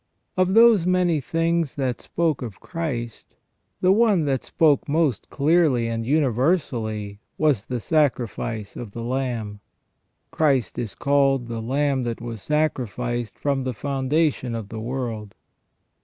* Of those many things that spoke of Christ, the one that spoke most clearly and universally was the sacrifice of the lamb. Christ is called " the Lamb that was sacrificed from the foundation of the world